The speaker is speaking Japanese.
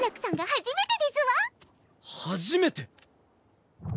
初めて？